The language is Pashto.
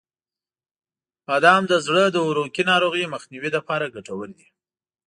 • بادام د زړه د عروقی ناروغیو مخنیوي لپاره ګټور دي.